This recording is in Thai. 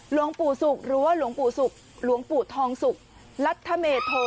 หลวงปู่ศุกร์หรือว่าหลวงปู่ศุกร์หลวงปู่ทองสุกรัฐเมโท